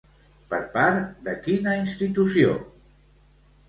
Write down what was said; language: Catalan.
Per part de quina institució?